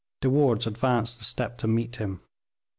De Wardes advanced a step to meet him.